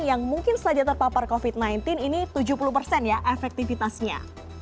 yang mungkin saja terpapar covid sembilan belas ini tujuh puluh persen ya efektivitasnya